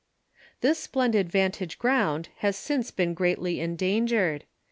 This splendid vantage ground has since been greatly endan gered.